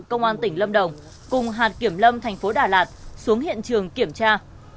công an tỉnh lâm đồng cùng hạt kiểm lâm thành phố đà lạt xuống hiện trường kiểm tra